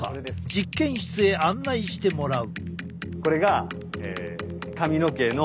実験室へ案内してもらう。